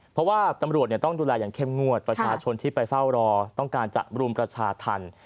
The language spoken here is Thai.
เพราะว่าตำรวจต้องดูแลอย่างเข้มงวดประชาชนที่ไปเฝ้ารอต้องการจะรุมประชาธรรม